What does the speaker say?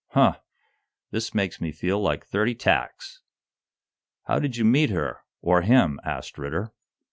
Huh! This makes me feel like thirty tacks!" "How did you meet her or him?" asked Ridder.